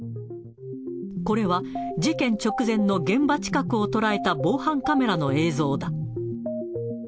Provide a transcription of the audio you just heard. これは事件直前の現場近くを捉えた防犯カメラの映像だ。